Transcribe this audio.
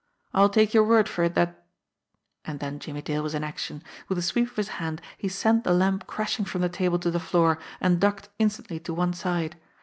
"I'll take your word for it that " And then Jimmie Dale was in action. With a sweep of his hand he sent the lamp crashing from the table to the floor, and ducked instantly to one side.